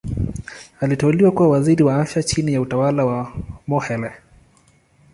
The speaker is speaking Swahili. Aliteuliwa kuwa Waziri wa Afya chini ya utawala wa Mokhehle.